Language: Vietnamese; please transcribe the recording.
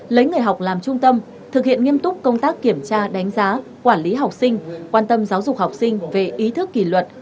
lấy người học làm trung tâm thực hiện nghiêm túc công tác kiểm tra đánh giá quản lý học sinh quan tâm giáo dục học sinh về ý thức kỷ luật